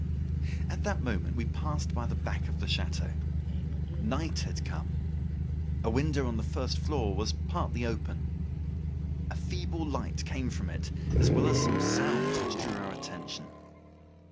At that moment we passed by the back of the chateau. Night had come. A window on the first floor was partly open. A feeble light came from it as well as some sounds which drew our attention.